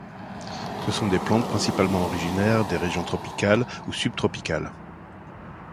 Ce sont des plantes principalement originaires des régions tropicales ou sub-tropicales.